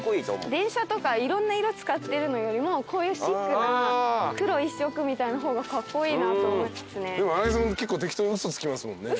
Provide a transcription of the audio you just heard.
電車とかいろんな色使ってるのよりもこういうシックな黒一色みたいな方がカッコイイなと思いますね。